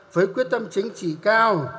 với quyết tâm chính trị cao